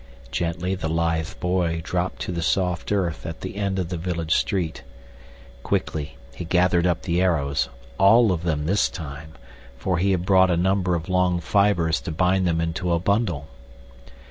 Gently the lithe boy dropped to the soft earth at the end of the village street. Quickly he gathered up the arrows—all of them this time, for he had brought a number of long fibers to bind them into a bundle.